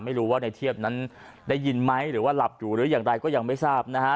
ไม่รู้ว่าในเทียบนั้นได้ยินไหมหรือว่าหลับอยู่หรืออย่างไรก็ยังไม่ทราบนะฮะ